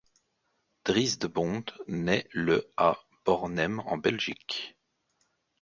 Dries De Bondt naît le à Bornem en Belgique.